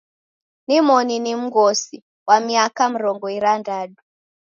Nimoni ni mghosi, wa miaka mrongo irandadu.